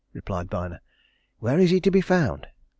replied Byner. "Where is he to be found?"